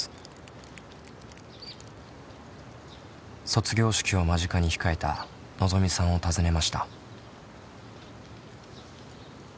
卒業式を間近に控えたのぞみさんを訪ねました。